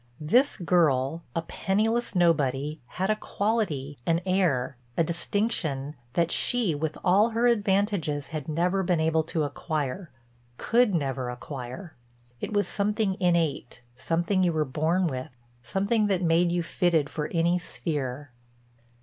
This girl—a penniless nobody—had a quality, an air, a distinction, that she with all her advantages had never been able to acquire, could never acquire. It was something innate, something you were born with, something that made you fitted for any sphere.